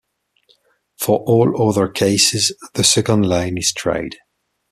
For all other cases the second line is tried.